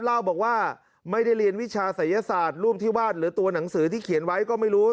เล่าบอกว่าไม่ได้เรียนวิชาศัยศาสตร์รูปที่วาดหรือตัวหนังสือที่เขียนไว้ก็ไม่รู้